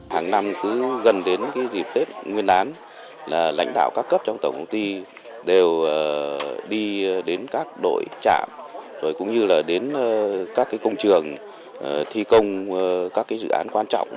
hàng năm cứ gần đến dịp tết nguyên đán là lãnh đạo các cấp trong tổng công ty đều đi đến các đội trạm rồi cũng như là đến các công trường thi công các dự án quan trọng